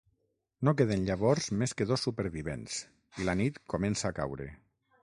No queden llavors més que dos supervivents, i la nit comença a caure.